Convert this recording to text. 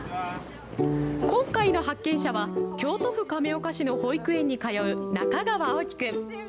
今回の発見者は、京都府亀岡市の保育園に通う中川蒼貴くん。